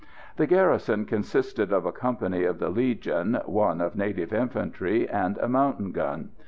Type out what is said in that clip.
The garrison consisted of a company of the Legion, one of native infantry, and a mountain gun.